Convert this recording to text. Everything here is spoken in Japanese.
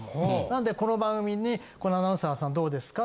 なので「この番組にこのアナウンサーさんどうですか？」